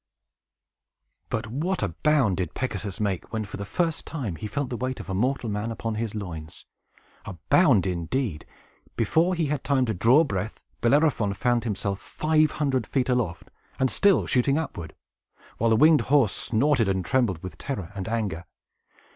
But what a bound did Pegasus make, when, for the first time, he felt the weight of a mortal man upon his loins! A bound, indeed! Before he had time to draw a breath, Bellerophon found himself five hundred feet aloft, and still shooting upward, while the winged horse snorted and trembled with terror and anger.